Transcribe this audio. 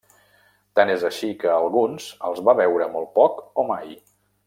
Tant és així que, alguns, els va veure molt poc o mai.